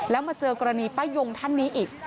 แล้วมาเจอกรณีป้ายงท่านนี้อีก